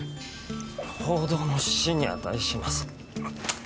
報道の死に値します